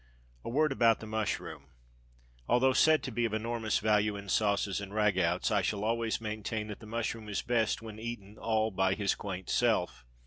A word about the mushroom. Although said to be of enormous value in sauces and ragouts, I shall always maintain that the mushroom is best when eaten all by his quaint self.